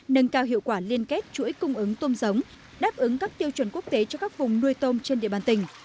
nâng cao hiệu quả liên kết chuỗi cung ứng tôm giống đáp ứng các tiêu chuẩn quốc tế cho các vùng nuôi tôm trên địa bàn tỉnh